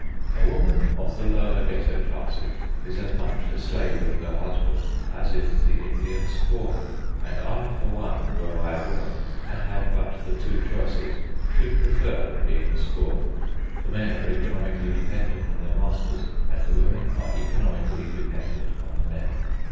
A woman of the lower Ghetto classes is as much the slave of her husband as is the Indian squaw. And I, for one, were I a woman and had but the two choices, should prefer being a squaw. The men are economically dependent on their masters, and the women are economically dependent on the men.